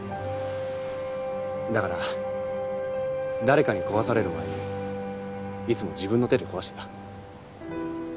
だから誰かに壊される前にいつも自分の手で壊してた。